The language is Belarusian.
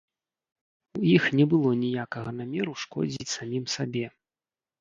У іх не было ніякага намеру шкодзіць самім сабе.